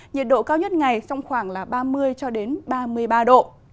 nhiệt độ cao nhất ngày trong khoảng ba mươi ba mươi ba độ